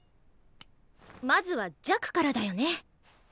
まずは「弱」からだよね。